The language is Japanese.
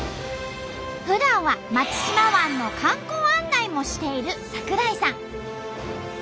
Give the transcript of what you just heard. ふだんは松島湾の観光案内もしている桜井さん。